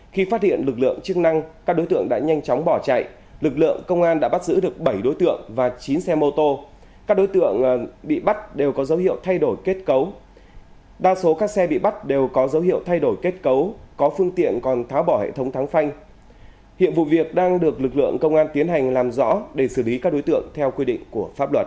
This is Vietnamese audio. khi phát hiện lực lượng chức năng các đối tượng đã nhanh chóng bỏ chạy lực lượng công an đã bắt giữ được bảy đối tượng và chín xe mô tô các đối tượng bị bắt đều có dấu hiệu thay đổi kết cấu đa số các xe bị bắt đều có dấu hiệu thay đổi kết cấu có phương tiện còn tháo bỏ hệ thống thắng phanh hiện vụ việc đang được lực lượng công an tiến hành làm rõ để xử lý các đối tượng theo quy định của pháp luật